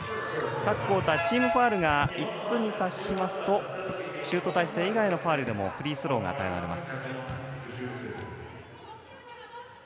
各クオーターチームファウルが５つに達しますとシュート体勢以外のファウルでもフリースローが与えられます。